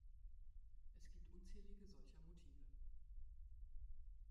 Es gibt unzählige solcher Motive.